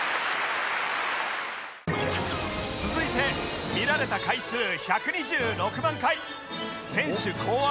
続いて見られた回数１２６万回選手考案！